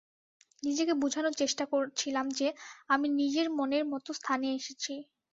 নিজেকে বুঝানোর চেষ্টা করছিলাম যে আমি নিজের মনের মতো স্থানে এসেছি।